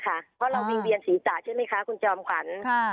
เพราะเราวิ่งเวียนศีรษะใช่ไหมคะคุณจอมขวัญ